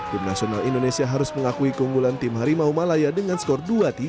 tim nasional indonesia harus mengakui keunggulan tim harimau malaya dengan skor dua tiga